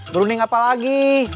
berunding apa lagi